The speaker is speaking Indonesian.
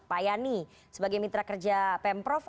pak yani sebagai mitra kerja pemprov